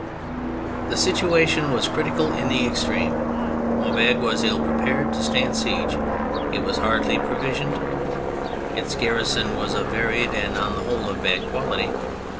The situation was critical in the extreme : Maubeuge was ill prepared to stand siege; it was hardly provisioned ; its garrison was of varied and, on the whole, of bad quality.